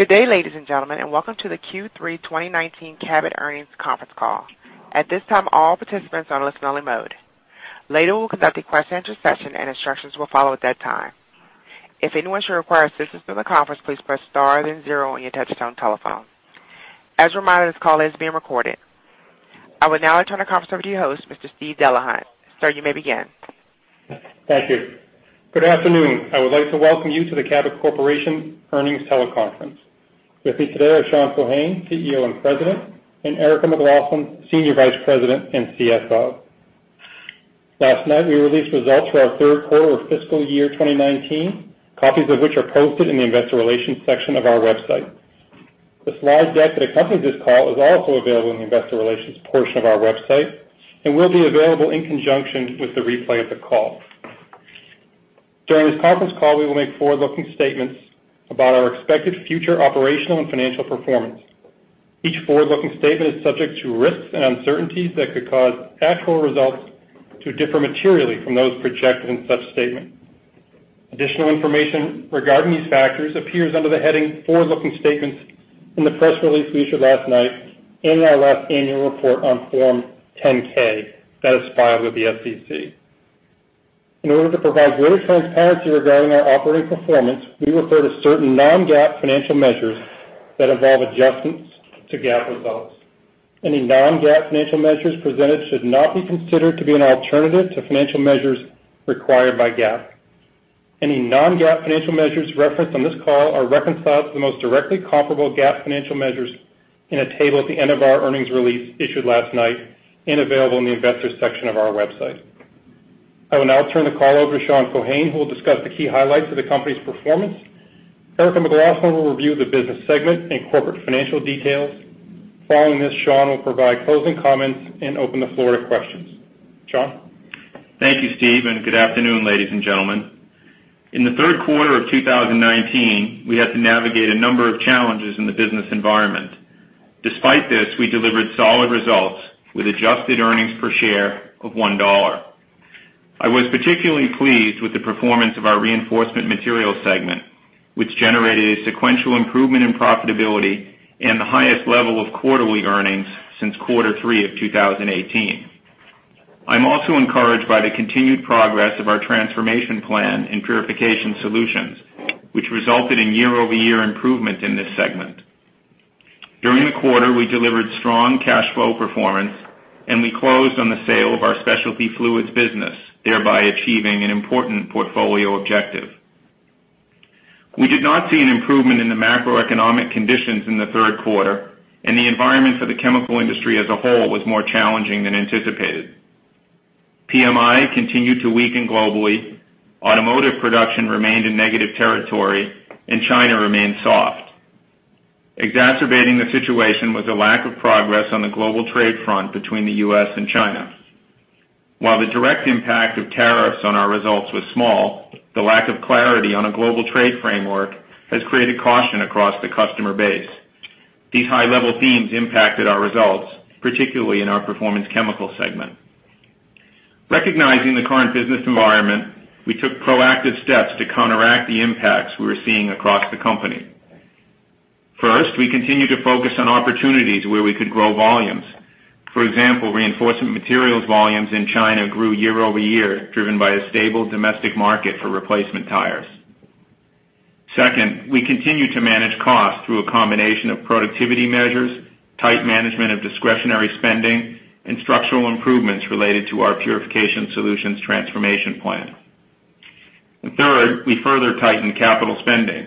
Good day, ladies and gentlemen, and welcome to the Q3 2019 Cabot Earnings Conference Call. At this time, all participants are in listen-only mode. Later, we'll conduct a question and answer session and instructions will follow at that time. If anyone should require assistance in the conference, please press star then zero on your touchtone telephone. As a reminder, this call is being recorded. I will now turn the conference over to your host, Mr. Steve Delahunt. Sir, you may begin. Thank you. Good afternoon. I would like to welcome you to the Cabot Corporation Earnings Teleconference. With me today are Sean Keohane, CEO and President, and Erica McLaughlin, Senior Vice President and CFO. Last night, we released results for our third quarter of fiscal year 2019, copies of which are posted in the Investor Relations section of our website. The slide deck that accompanies this call is also available in the Investor Relations portion of our website and will be available in conjunction with the replay of the call. During this conference call, we will make forward-looking statements about our expected future operational and financial performance. Each forward-looking statement is subject to risks and uncertainties that could cause actual results to differ materially from those projected in such statement. Additional information regarding these factors appears under the heading Forward-Looking Statements in the press release we issued last night in our last annual report on Form 10-K that is filed with the SEC. In order to provide greater transparency regarding our operating performance, we refer to certain non-GAAP financial measures that involve adjustments to GAAP results. Any non-GAAP financial measures presented should not be considered to be an alternative to financial measures required by GAAP. Any non-GAAP financial measures referenced on this call are reconciled to the most directly comparable GAAP financial measures in a table at the end of our earnings release issued last night and available in the investors section of our website. I will now turn the call over to Sean Keohane, who will discuss the key highlights of the company's performance. Erica McLaughlin will review the business segment and corporate financial details. Following this, Sean will provide closing comments and open the floor to questions. Sean? Thank you, Steve, and good afternoon, ladies and gentlemen. In the third quarter of 2019, we had to navigate a number of challenges in the business environment. Despite this, we delivered solid results with adjusted earnings per share of $1. I was particularly pleased with the performance of our Reinforcement Materials segment, which generated a sequential improvement in profitability and the highest level of quarterly earnings since quarter three of 2018. I'm also encouraged by the continued progress of our transformation plan in Purification Solutions, which resulted in year-over-year improvement in this segment. During the quarter, we delivered strong cash flow performance, and we closed on the sale of our Specialty Fluids business, thereby achieving an important portfolio objective. We did not see an improvement in the macroeconomic conditions in the third quarter, and the environment for the chemical industry as a whole was more challenging than anticipated. PMI continued to weaken globally, automotive production remained in negative territory, and China remained soft. Exacerbating the situation was a lack of progress on the global trade front between the U.S. and China. While the direct impact of tariffs on our results was small, the lack of clarity on a global trade framework has created caution across the customer base. These high-level themes impacted our results, particularly in our Performance Chemicals segment. Recognizing the current business environment, we took proactive steps to counteract the impacts we were seeing across the company. First, we continued to focus on opportunities where we could grow volumes. For example, Reinforcement Materials volumes in China grew year-over-year, driven by a stable domestic market for replacement tires. Second, we continued to manage costs through a combination of productivity measures, tight management of discretionary spending, and structural improvements related to our Purification Solutions transformation plan. Third, we further tightened capital spending.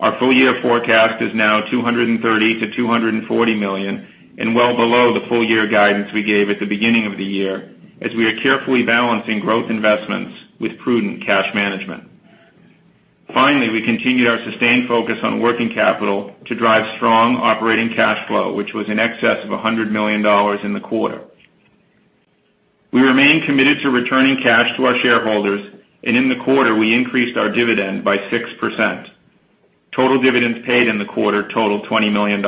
Our full-year forecast is now $230 million-$240 million and well below the full-year guidance we gave at the beginning of the year, as we are carefully balancing growth investments with prudent cash management. Finally, we continued our sustained focus on working capital to drive strong operating cash flow, which was in excess of $100 million in the quarter. We remain committed to returning cash to our shareholders, and in the quarter, we increased our dividend by 6%. Total dividends paid in the quarter totaled $20 million.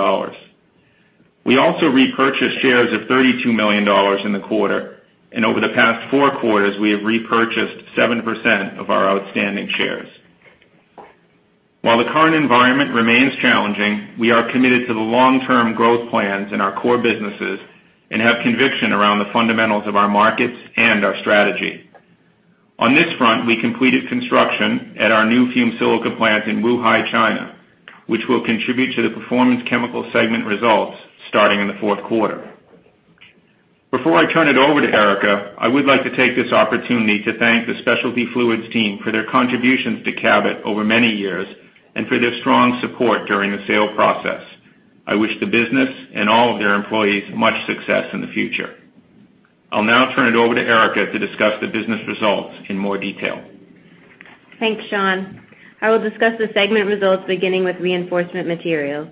We also repurchased shares of $32 million in the quarter, and over the past four quarters, we have repurchased 7% of our outstanding shares. While the current environment remains challenging, we are committed to the long-term growth plans in our core businesses and have conviction around the fundamentals of our markets and our strategy. On this front, we completed construction at our new fumed silica plant in Wuhai, China, which will contribute to the Performance Chemicals segment results starting in the fourth quarter. Before I turn it over to Erica, I would like to take this opportunity to thank the Specialty Fluids team for their contributions to Cabot over many years and for their strong support during the sale process. I wish the business and all of their employees much success in the future. I'll now turn it over to Erica to discuss the business results in more detail. Thanks, Sean. I will discuss the segment results beginning with Reinforcement Materials.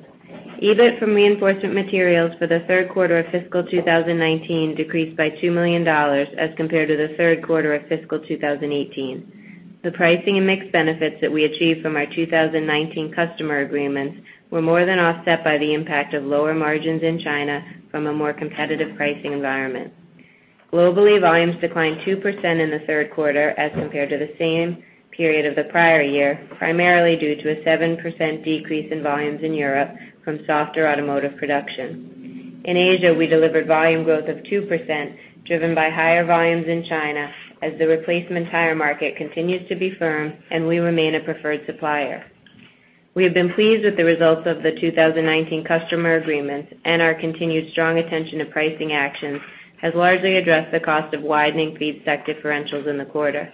EBIT from Reinforcement Materials for the third quarter of fiscal 2019 decreased by $2 million as compared to the third quarter of fiscal 2018. The pricing and mix benefits that we achieved from our 2019 customer agreements were more than offset by the impact of lower margins in China from a more competitive pricing environment. Globally, volumes declined 2% in the third quarter as compared to the same period of the prior year, primarily due to a 7% decrease in volumes in Europe from softer automotive production. In Asia, we delivered volume growth of 2%, driven by higher volumes in China as the replacement tire market continues to be firm and we remain a preferred supplier. We have been pleased with the results of the 2019 customer agreements, and our continued strong attention to pricing actions has largely addressed the cost of widening feedstock differentials in the quarter.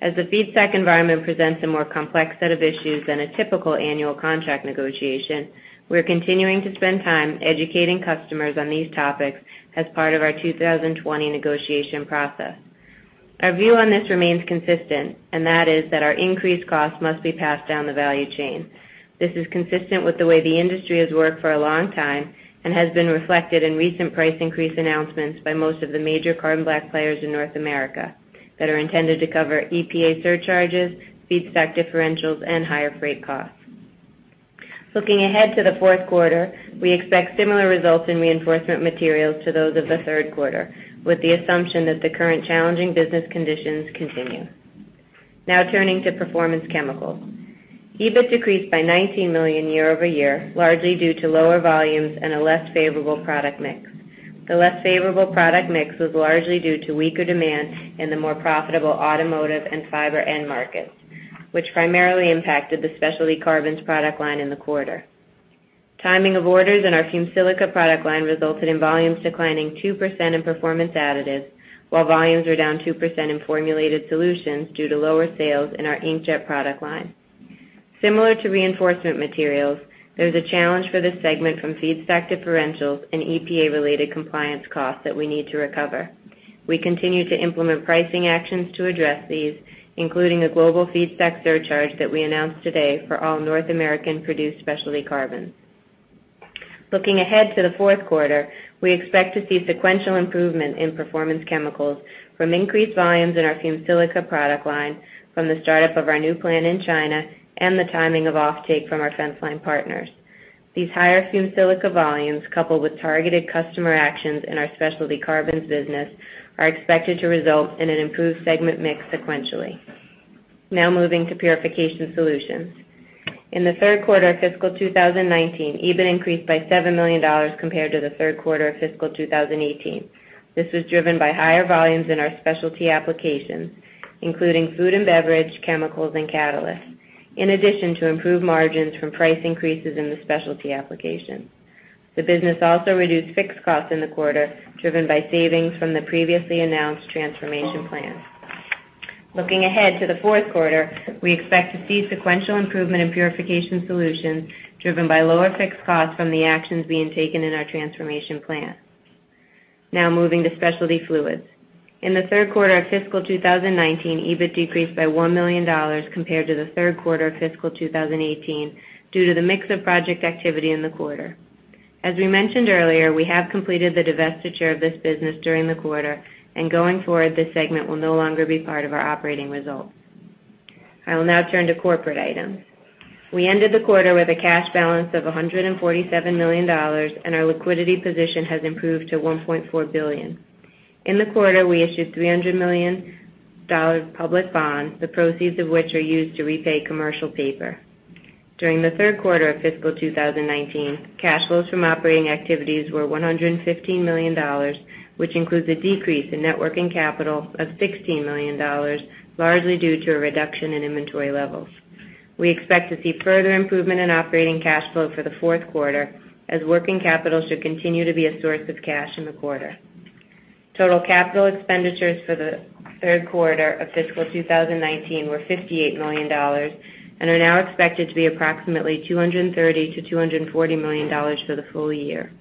As the feedstock environment presents a more complex set of issues than a typical annual contract negotiation, we're continuing to spend time educating customers on these topics as part of our 2020 negotiation process. Our view on this remains consistent, and that is that our increased costs must be passed down the value chain. This is consistent with the way the industry has worked for a long time and has been reflected in recent price increase announcements by most of the major carbon black players in North America that are intended to cover EPA surcharges, feedstock differentials, and higher freight costs. Looking ahead to the fourth quarter, we expect similar results in Reinforcement Materials to those of the third quarter, with the assumption that the current challenging business conditions continue. Turning to Performance Chemicals. EBIT decreased by $19 million year-over-year, largely due to lower volumes and a less favorable product mix. The less favorable product mix was largely due to weaker demand in the more profitable automotive and fiber end markets, which primarily impacted the specialty carbons product line in the quarter. Timing of orders in our fumed silica product line resulted in volumes declining 2% in Performance Additives, while volumes were down 2% in Formulated Solutions due to lower sales in our inkjet product line. Similar to Reinforcement Materials, there's a challenge for this segment from feedstock differentials and EPA-related compliance costs that we need to recover. We continue to implement pricing actions to address these, including a global feedstock surcharge that we announced today for all North American-produced specialty carbons. Looking ahead to the fourth quarter, we expect to see sequential improvement in Performance Chemicals from increased volumes in our fumed silica product line from the startup of our new plant in China and the timing of offtake from our fence line partners. These higher fumed silica volumes, coupled with targeted customer actions in our specialty carbons business, are expected to result in an improved segment mix sequentially. Moving to Purification Solutions. In the third quarter of fiscal 2019, EBIT increased by $7 million compared to the third quarter of fiscal 2018. This was driven by higher volumes in our specialty applications, including food and beverage, chemicals, and catalysts, in addition to improved margins from price increases in the specialty applications. The business also reduced fixed costs in the quarter, driven by savings from the previously announced transformation plan. Looking ahead to the fourth quarter, we expect to see sequential improvement in Purification Solutions driven by lower fixed costs from the actions being taken in our transformation plan. Moving to Specialty Fluids. In the third quarter of fiscal 2019, EBIT decreased by $1 million compared to the third quarter of fiscal 2018 due to the mix of project activity in the quarter. As we mentioned earlier, we have completed the divestiture of this business during the quarter. Going forward, this segment will no longer be part of our operating results. I will now turn to corporate items. We ended the quarter with a cash balance of $147 million. Our liquidity position has improved to $1.4 billion. In the quarter, we issued $300 million public bonds, the proceeds of which are used to repay commercial paper. During the third quarter of fiscal 2019, cash flows from operating activities were $115 million, which includes a decrease in net working capital of $16 million, largely due to a reduction in inventory levels. We expect to see further improvement in operating cash flow for the fourth quarter, as working capital should continue to be a source of cash in the quarter. Total capital expenditures for the third quarter of fiscal 2019 were $58 million and are now expected to be approximately $230-$240 million for the full year.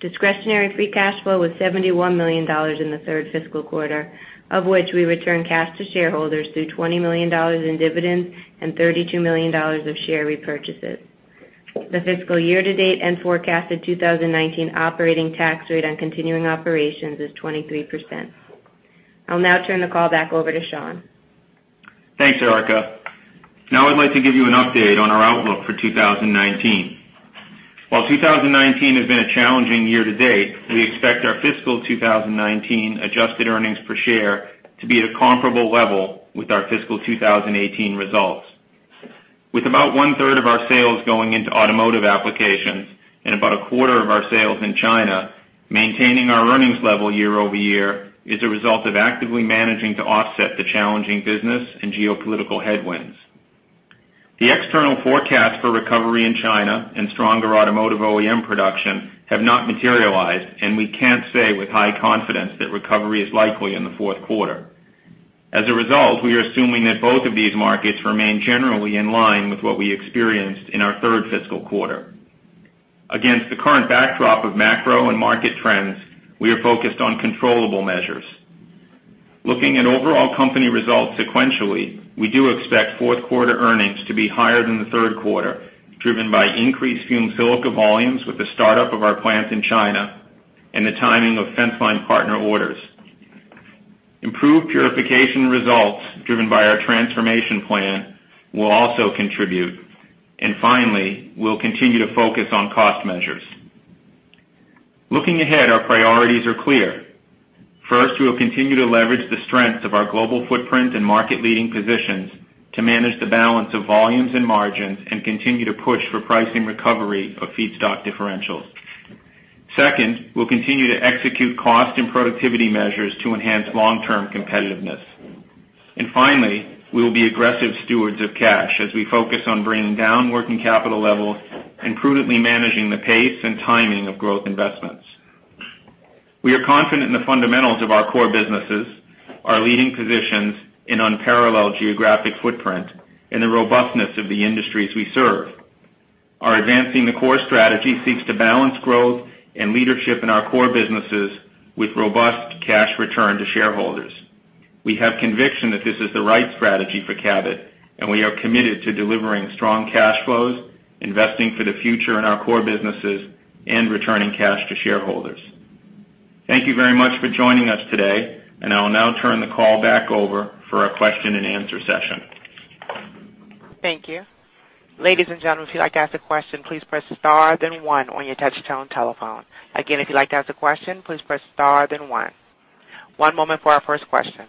Discretionary free cash flow was $71 million in the third fiscal quarter, of which we returned cash to shareholders through $20 million in dividends and $32 million of share repurchases. The fiscal year to date and forecasted 2019 operating tax rate on continuing operations is 23%. I'll now turn the call back over to Sean. Thanks, Erica. I'd like to give you an update on our outlook for 2019. While 2019 has been a challenging year to date, we expect our fiscal 2019 adjusted earnings per share to be at a comparable level with our fiscal 2018 results. With about one-third of our sales going into automotive applications and about a quarter of our sales in China, maintaining our earnings level year-over-year is a result of actively managing to offset the challenging business and geopolitical headwinds. The external forecast for recovery in China and stronger automotive OEM production have not materialized, and we can't say with high confidence that recovery is likely in the fourth quarter. As a result, we are assuming that both of these markets remain generally in line with what we experienced in our third fiscal quarter. Against the current backdrop of macro and market trends, we are focused on controllable measures. Looking at overall company results sequentially, we do expect fourth quarter earnings to be higher than the third quarter, driven by increased fumed silica volumes with the startup of our plant in China and the timing of fence line partner orders. Improved purification results driven by our transformation plan will also contribute. Finally, we'll continue to focus on cost measures. Looking ahead, our priorities are clear. First, we will continue to leverage the strengths of our global footprint and market-leading positions to manage the balance of volumes and margins, and continue to push for pricing recovery of feedstock differentials. Second, we'll continue to execute cost and productivity measures to enhance long-term competitiveness. Finally, we will be aggressive stewards of cash as we focus on bringing down working capital levels and prudently managing the pace and timing of growth investments. We are confident in the fundamentals of our core businesses, our leading positions in unparalleled geographic footprint, and the robustness of the industries we serve. Our Advancing the Core strategy seeks to balance growth and leadership in our core businesses with robust cash return to shareholders. We have conviction that this is the right strategy for Cabot, we are committed to delivering strong cash flows, investing for the future in our core businesses, and returning cash to shareholders. Thank you very much for joining us today, I will now turn the call back over for a question and answer session. Thank you. Ladies and gentlemen, if you'd like to ask a question, please press star then one on your touch-tone telephone. Again, if you'd like to ask a question, please press star then one. One moment for our first question.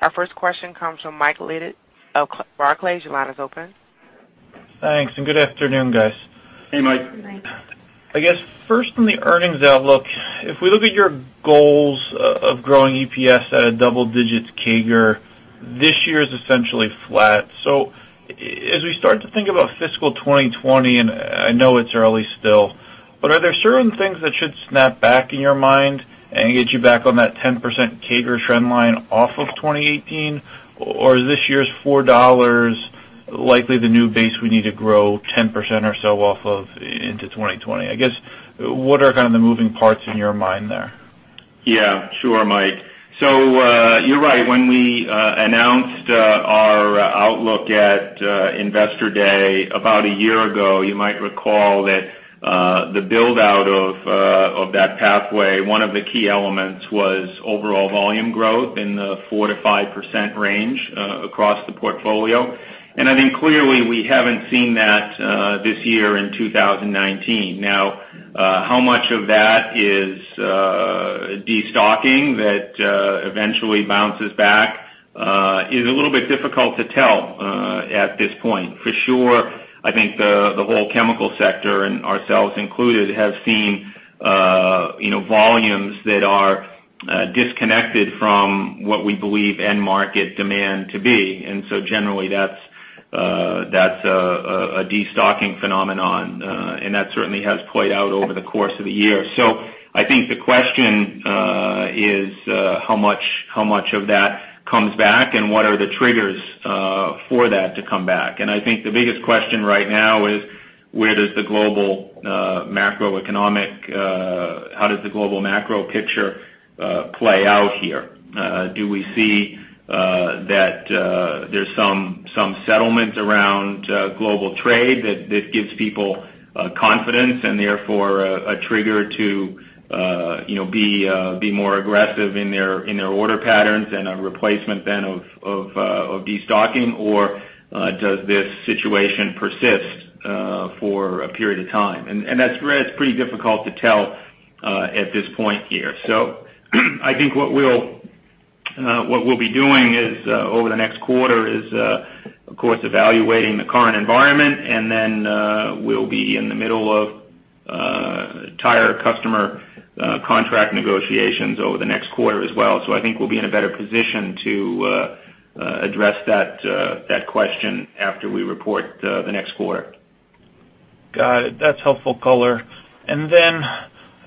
Our first question comes from Mike Leithead of Barclays. Your line is open. Thanks, good afternoon, guys. Hey, Mike. Mike. I guess, first on the earnings outlook, if we look at your goals of growing EPS at a double-digits CAGR, this year is essentially flat. As we start to think about fiscal 2020, and I know it's early still, but are there certain things that should snap back in your mind and get you back on that 10% CAGR trend line off of 2018? Or is this year's $4 likely the new base we need to grow 10% or so off of into 2020? I guess, what are kind of the moving parts in your mind there? Yeah. Sure, Mike. You're right. When we announced our outlook at Investor Day about a year ago, you might recall that the build-out of that pathway, one of the key elements was overall volume growth in the 4%-5% range across the portfolio. I think clearly, we haven't seen that this year in 2019. Now, how much of that is destocking that eventually bounces back is a little bit difficult to tell at this point. For sure, I think the whole chemical sector, and ourselves included, have seen volumes that are disconnected from what we believe end market demand to be. Generally, that's a destocking phenomenon. That certainly has played out over the course of the year. I think the question is how much of that comes back, and what are the triggers for that to come back. I think the biggest question right now is, how does the global macro picture play out here? Do we see that there's some settlements around global trade that gives people confidence, and therefore a trigger to be more aggressive in their order patterns and a replacement then of destocking? Does this situation persist for a period of time? That's pretty difficult to tell at this point here. I think what we'll be doing over the next quarter is, of course, evaluating the current environment, and then we'll be in the middle of entire customer contract negotiations over the next quarter as well. I think we'll be in a better position to address that question after we report the next quarter. Got it. That's helpful color.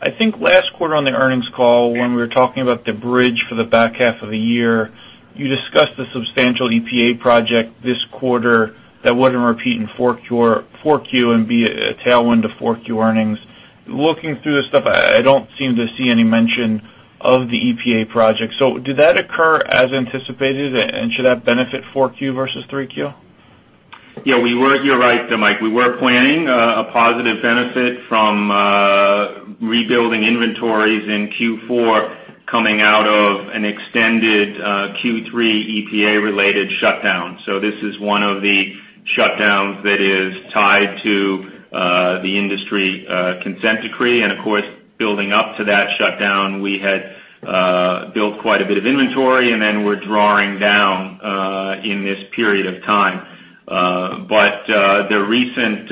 I think last quarter on the earnings call, when we were talking about the bridge for the back half of the year, you discussed the substantial EPA project this quarter that wouldn't repeat in 4Q and be a tailwind to 4Q earnings. Looking through this stuff, I don't seem to see any mention of the EPA project. Did that occur as anticipated, and should that benefit 4Q versus 3Q? You're right, though, Mike. We were planning a positive benefit from rebuilding inventories in Q4 coming out of an extended Q3 EPA-related shutdown. This is one of the shutdowns that is tied to the industry consent decree. Of course, building up to that shutdown, we had built quite a bit of inventory, and then we're drawing down in this period of time. The recent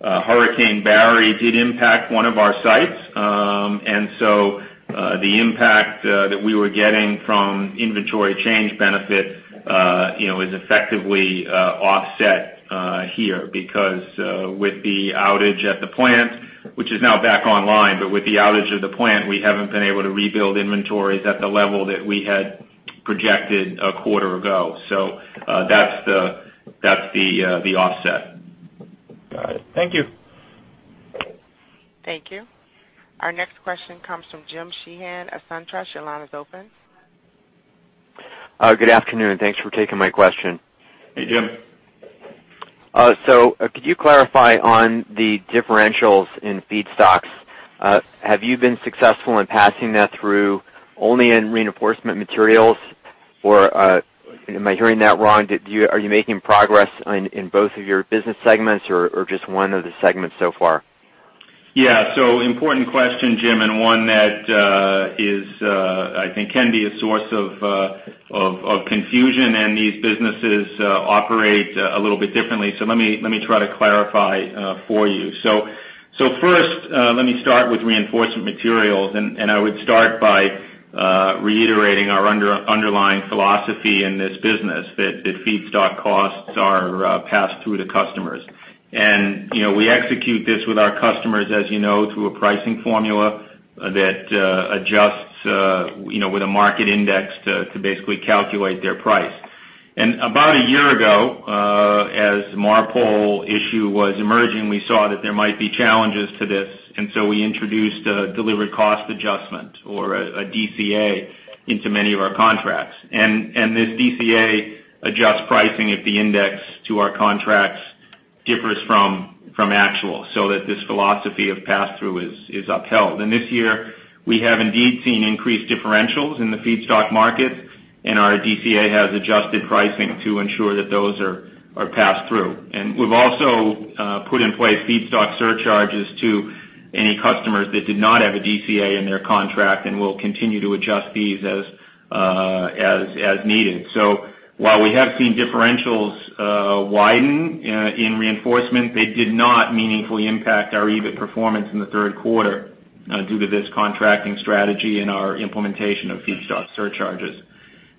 Hurricane Barry did impact one of our sites. The impact that we were getting from inventory change benefit is effectively offset here. With the outage at the plant, which is now back online, but with the outage of the plant, we haven't been able to rebuild inventories at the level that we had projected a quarter ago. That's the offset. Got it. Thank you. Thank you. Our next question comes from Jim Sheehan at SunTrust. Your line is open. Good afternoon. Thanks for taking my question. Hey, Jim. Could you clarify on the differentials in feedstocks, have you been successful in passing that through only in Reinforcement Materials, or am I hearing that wrong? Are you making progress in both of your business segments or just one of the segments so far? Yeah. important question, Jim, and one that I think can be a source of confusion, and these businesses operate a little bit differently. Let me try to clarify for you. First, let me start with Reinforcement Materials, and I would start by reiterating our underlying philosophy in this business, that feedstock costs are pass-through to customers. We execute this with our customers, as you know, through a pricing formula that adjusts with a market index to basically calculate their price. About a year ago, as MARPOL issue was emerging, we saw that there might be challenges to this, and so we introduced a delivered cost adjustment or a DCA into many of our contracts. This DCA adjusts pricing if the index to our contracts differs from actual, so that this philosophy of pass-through is upheld. This year, we have indeed seen increased differentials in the feedstock markets, and our DCA has adjusted pricing to ensure that those are passed through. We've also put in place feedstock surcharges to any customers that did not have a DCA in their contract and will continue to adjust these as needed. While we have seen differentials widen in reinforcement, they did not meaningfully impact our EBIT performance in the third quarter due to this contracting strategy and our implementation of feedstock surcharges.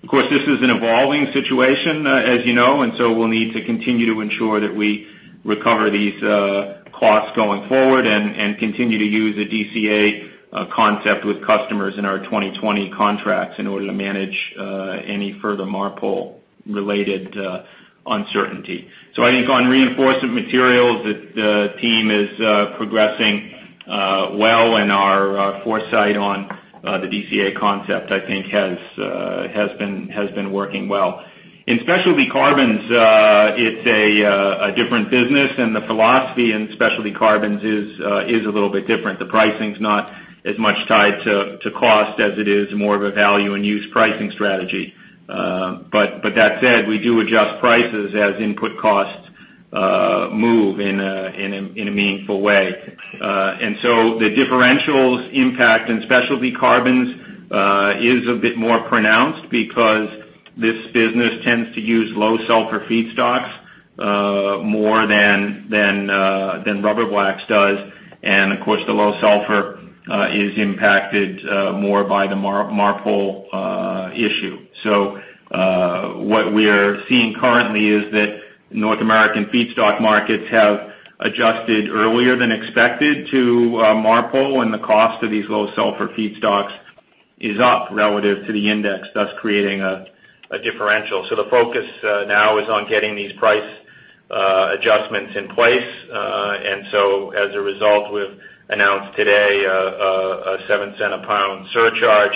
Of course, this is an evolving situation, as you know, and so we'll need to continue to ensure that we recover these costs going forward and continue to use the DCA concept with customers in our 2020 contracts in order to manage any further MARPOL-related uncertainty. I think on Reinforcement Materials, the team is progressing well and our foresight on the DCA concept, I think has been working well. In specialty carbons, it's a different business, and the philosophy in specialty carbons is a little bit different. The pricing's not as much tied to cost as it is more of a value and use pricing strategy. That said, we do adjust prices as input costs move in a meaningful way. The differentials impact in specialty carbons is a bit more pronounced because this business tends to use low sulfur feedstocks more than rubber blacks does, and of course, the low sulfur is impacted more by the MARPOL issue. What we're seeing currently is that North American feedstock markets have adjusted earlier than expected to MARPOL, and the cost of these low sulfur feedstocks is up relative to the index, thus creating a differential. The focus now is on getting these price adjustments in place. As a result, we've announced today a $0.07 a pound surcharge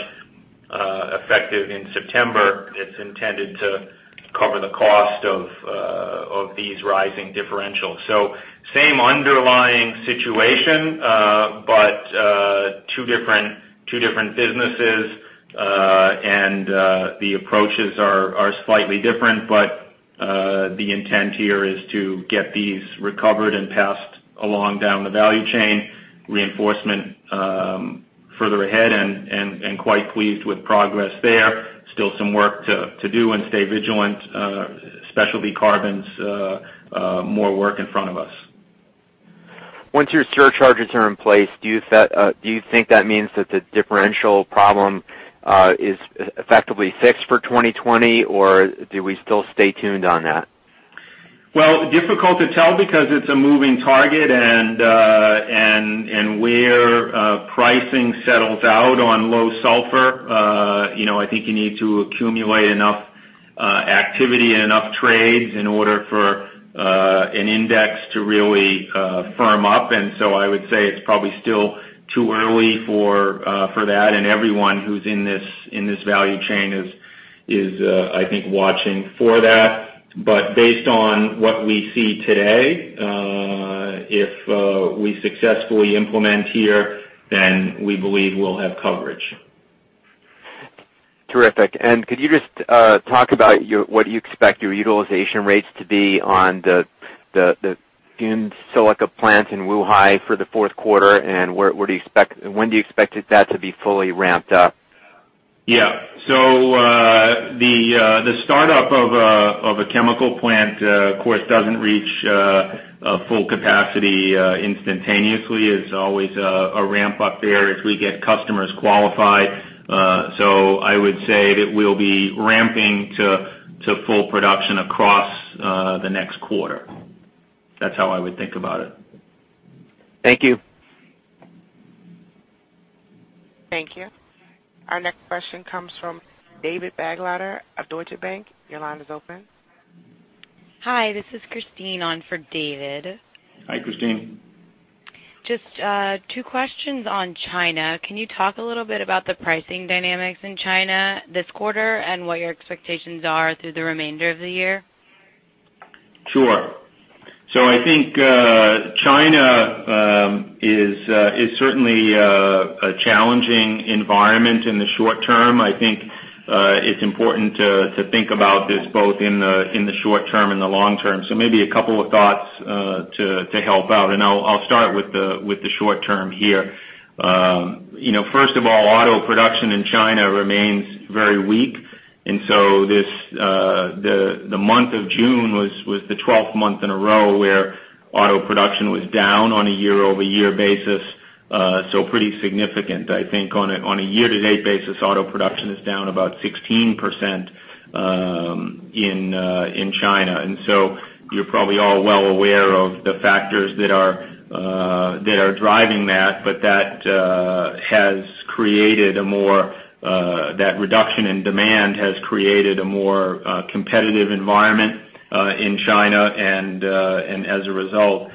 effective in September. It's intended to cover the cost of these rising differentials. Same underlying situation, but two different businesses. The approaches are slightly different, but the intent here is to get these recovered and passed along down the value chain reinforcement further ahead and quite pleased with progress there. Still some work to do and stay vigilant. Specialty carbons, more work in front of us. Once your surcharges are in place, do you think that means that the differential problem is effectively fixed for 2020, or do we still stay tuned on that? Well, difficult to tell because it's a moving target, and where pricing settles out on low sulfur, I think you need to accumulate enough activity and enough trades in order for an index to really firm up. I would say it's probably still too early for that. Everyone who's in this value chain is, I think, watching for that. Based on what we see today, if we successfully implement here, then we believe we'll have coverage. Terrific. Could you just talk about what you expect your utilization rates to be on the fumed silica plant in Wuhai for the fourth quarter, and when do you expect that to be fully ramped up? Yeah. The startup of a chemical plant, of course, doesn't reach full capacity instantaneously. It's always a ramp up there as we get customers qualified. I would say that we'll be ramping to full production across the next quarter. That's how I would think about it. Thank you. Thank you. Our next question comes from David Begleiter of Deutsche Bank. Your line is open. Hi, this is Christine on for David. Hi, Christine. Just two questions on China. Can you talk a little bit about the pricing dynamics in China this quarter and what your expectations are through the remainder of the year? Sure. I think China is certainly a challenging environment in the short term. I think it's important to think about this both in the short term and the long term. Maybe a couple of thoughts to help out, and I'll start with the short term here. First of all, auto production in China remains very weak, the month of June was the 12th month in a row where auto production was down on a year-over-year basis, pretty significant. I think on a year-to-date basis, auto production is down about 16% in China. You're probably all well aware of the factors that are driving that. That reduction in demand has created a more competitive environment in China. As a result,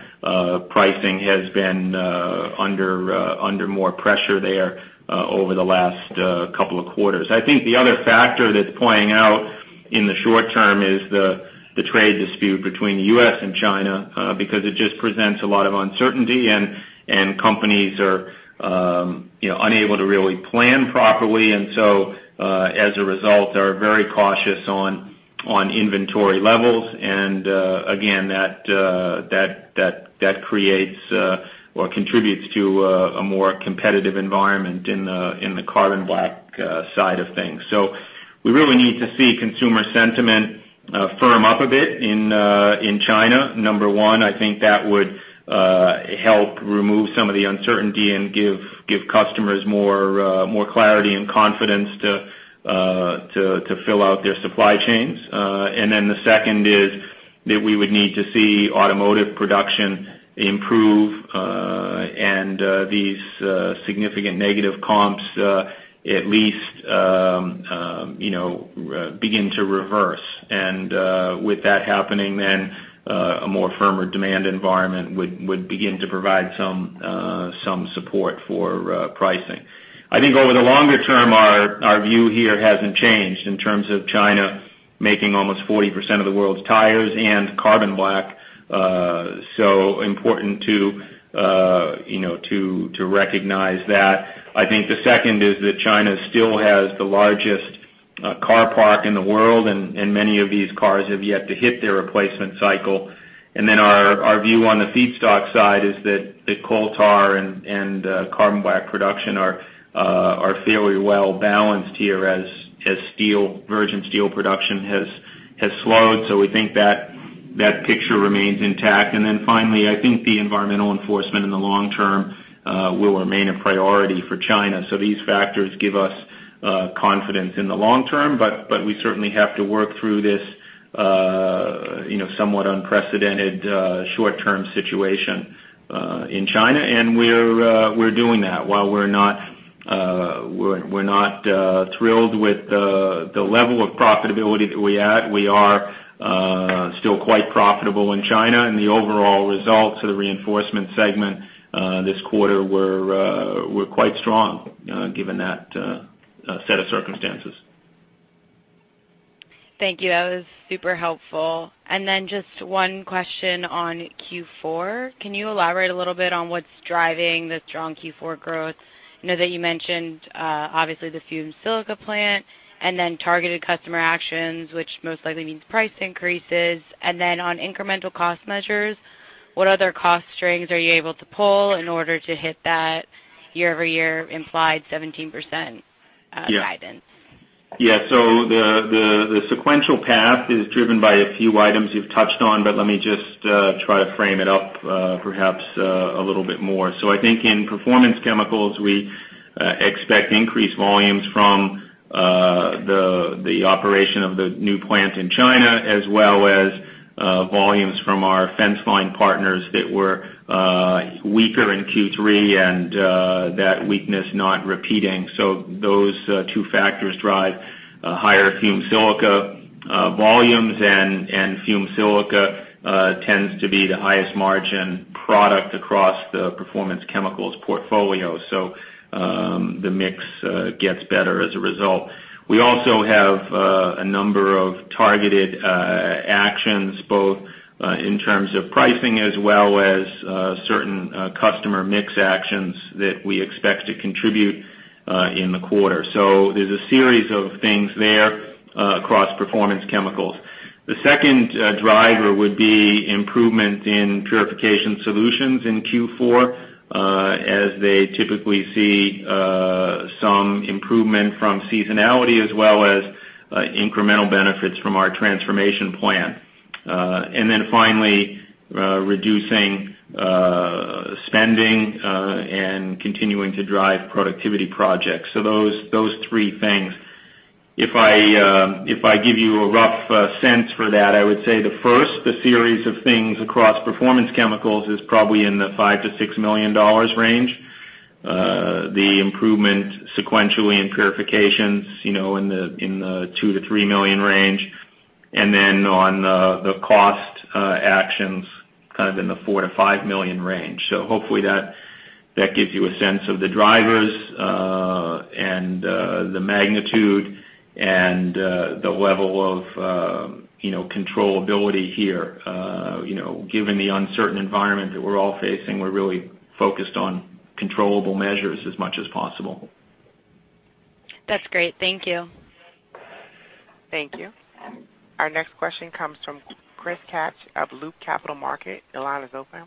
pricing has been under more pressure there over the last couple of quarters. I think the other factor that's playing out in the short term is the trade dispute between the U.S. and China, because it just presents a lot of uncertainty, and companies are unable to really plan properly, and so, as a result, are very cautious on inventory levels. Again, that creates or contributes to a more competitive environment in the carbon black side of things. We really need to see consumer sentiment firm up a bit in China. Number one, I think that would help remove some of the uncertainty and give customers more clarity and confidence to fill out their supply chains. Then the second is that we would need to see automotive production improve, and these significant negative comps at least begin to reverse. With that happening, then a more firmer demand environment would begin to provide some support for pricing. I think over the longer term, our view here hasn't changed in terms of China making almost 40% of the world's tires and carbon black. Important to recognize that. I think the second is that China still has the largest car park in the world. Many of these cars have yet to hit their replacement cycle. Our view on the feedstock side is that the coal tar and carbon black production are fairly well balanced here as virgin steel production has slowed. We think that picture remains intact. Finally, I think the environmental enforcement in the long term will remain a priority for China. These factors give us confidence in the long term. We certainly have to work through this somewhat unprecedented short-term situation in China. We're doing that. While we're not thrilled with the level of profitability that we had, we are still quite profitable in China, and the overall results of the Reinforcement segment this quarter were quite strong given that set of circumstances. Thank you. That was super helpful. Just one question on Q4. Can you elaborate a little bit on what's driving the strong Q4 growth? I know that you mentioned, obviously, the fumed silica plant and then targeted customer actions, which most likely means price increases. On incremental cost measures, what other cost strings are you able to pull in order to hit that year-over-year implied 17% guidance? The sequential path is driven by a few items you've touched on, but let me just try to frame it up perhaps a little bit more. I think in Performance Chemicals, we expect increased volumes from the operation of the new plant in China, as well as volumes from our fence line partners that were weaker in Q3 and that weakness not repeating. Those two factors drive higher Fumed Silica volumes, and Fumed Silica tends to be the highest margin product across the Performance Chemicals portfolio. The mix gets better as a result. We also have a number of targeted actions, both in terms of pricing as well as certain customer mix actions that we expect to contribute in the quarter. There's a series of things there across Performance Chemicals. The second driver would be improvement in Purification Solutions in Q4, as they typically see some improvement from seasonality as well as incremental benefits from our transformation plan. Finally, reducing spending and continuing to drive productivity projects. Those three things. If I give you a rough sense for that, I would say the first, the series of things across Performance Chemicals, is probably in the $5 million-$6 million range. The improvement sequentially in Purification Solutions in the $2 million-$3 million range, on the cost actions kind of in the $4 million-$5 million range. Hopefully that gives you a sense of the drivers, and the magnitude and the level of controllability here. Given the uncertain environment that we're all facing, we're really focused on controllable measures as much as possible. That's great. Thank you. Thank you. Our next question comes from Chris Kapsch of Loop Capital Markets. Your line is open.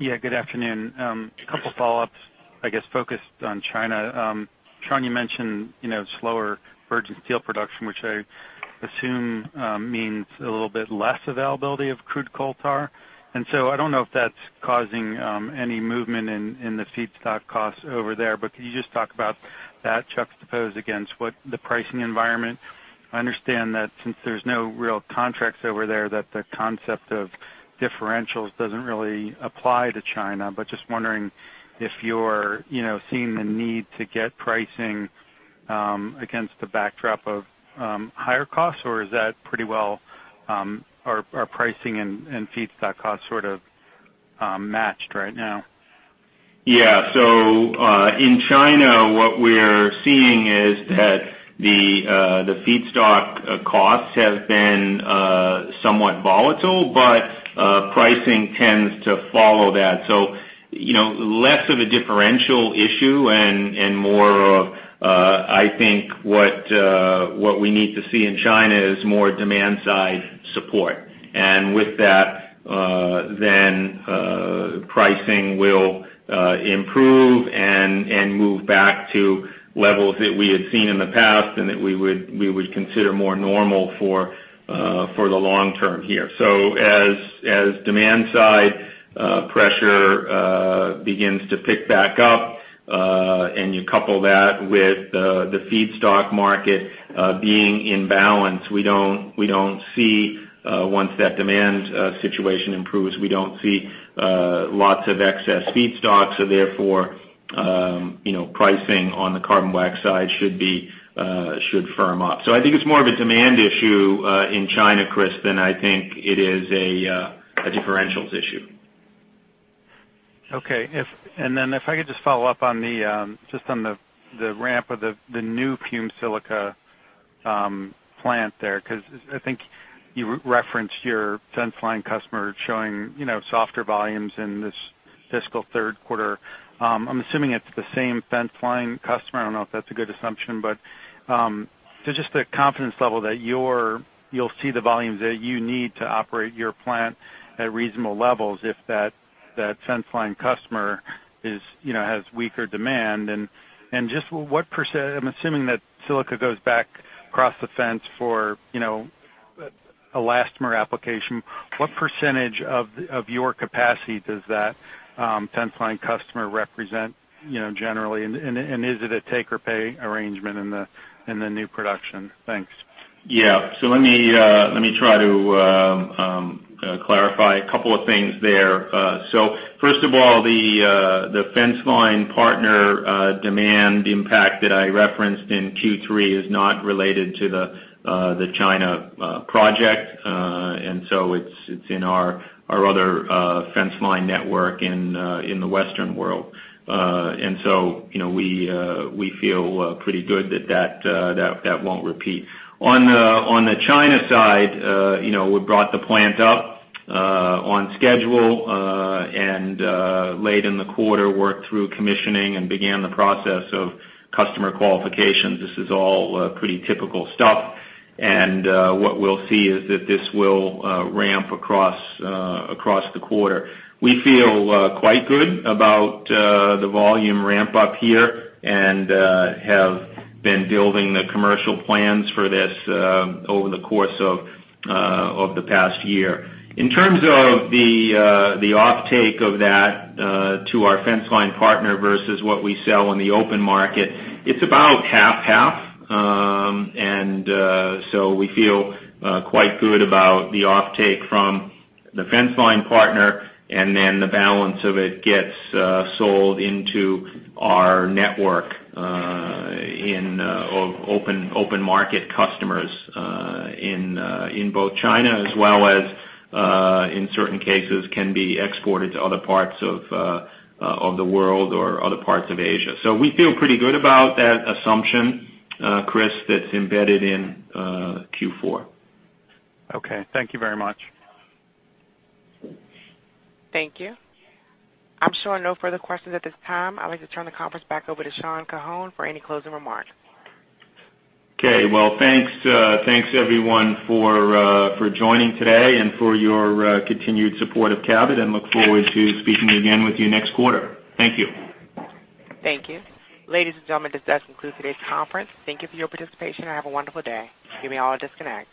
Yeah, good afternoon. Couple follow-ups, I guess, focused on China. Sean, you mentioned slower virgin steel production, which I assume means a little bit less availability of crude coal tar. I don't know if that's causing any movement in the feedstock costs over there, but could you just talk about that juxtaposed against what the pricing environment? I understand that since there's no real contracts over there, that the concept of differentials doesn't really apply to China, but just wondering if you're seeing the need to get pricing against the backdrop of higher costs, or is that pretty well, are pricing and feedstock costs sort of matched right now? Yeah. In China, what we're seeing is that the feedstock costs have been somewhat volatile, but pricing tends to follow that. Less of a differential issue and more of, I think what we need to see in China is more demand side support. With that, pricing will improve and move back to levels that we had seen in the past and that we would consider more normal for the long term here. As demand side pressure begins to pick back up, and you couple that with the feedstock market being in balance, we don't see, once that demand situation improves, we don't see lots of excess feedstock. Therefore, pricing on the carbon blacks side should firm up. I think it's more of a demand issue in China, Chris, than I think it is a differentials issue. Okay. If I could just follow up just on the ramp of the new fumed silica plant there, because I think you referenced your fence line customer showing softer volumes in this fiscal third quarter. I'm assuming it's the same fence line customer. I don't know if that's a good assumption, but just the confidence level that you'll see the volumes that you need to operate your plant at reasonable levels if that fence line customer has weaker demand. I'm assuming that silica goes back across the fence for elastomer application. What percentage of your capacity does that fence line customer represent generally, and is it a take or pay arrangement in the new production? Thanks. Yeah. Let me try to clarify a couple of things there. First of all, the fence line partner demand impact that I referenced in Q3 is not related to the China project. It's in our other fence line network in the Western world. We feel pretty good that that won't repeat. On the China side, we brought the plant up on schedule, and late in the quarter, worked through commissioning and began the process of customer qualifications. This is all pretty typical stuff. What we'll see is that this will ramp across the quarter. We feel quite good about the volume ramp up here and have been building the commercial plans for this over the course of the past year. In terms of the offtake of that to our fence line partner versus what we sell on the open market, it's about half-half. We feel quite good about the offtake from the fence line partner, and then the balance of it gets sold into our network of open market customers in both China as well as in certain cases can be exported to other parts of the world or other parts of Asia. We feel pretty good about that assumption, Chris, that's embedded in Q4. Okay. Thank you very much. Thank you. I'm showing no further questions at this time. I'd like to turn the conference back over to Sean Keohane for any closing remarks. Okay. Well, thanks everyone for joining today and for your continued support of Cabot, and look forward to speaking again with you next quarter. Thank you. Thank you. Ladies and gentlemen, this does conclude today's conference. Thank you for your participation and have a wonderful day. You may all disconnect.